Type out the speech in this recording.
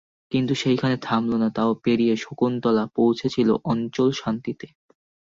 কিন্তু সেইখানেই থামল না, তাও পেরিয়ে শকুন্তলা পৌঁচেছিল অচঞ্চল শান্তিতে।